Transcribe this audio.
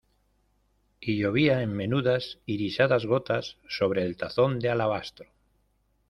y llovía en menudas irisadas gotas sobre el tazón de alabastro.